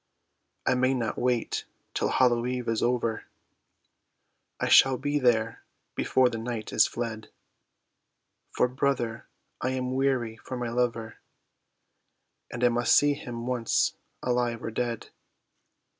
I may not wait till Hallow Eve is over, I shall be there before the night is fled, For, brother, I am weary for my lover, And I must see him once, alive or dead.